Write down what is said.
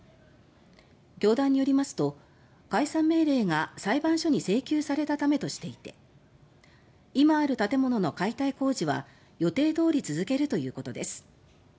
教団によりますと解散命令が裁判所に請求されたためとしていて今ある建物の解体工事は予定どおり続けるということです。